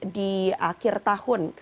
di akhir tahun